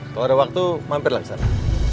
kalau ada waktu mampir lah di sana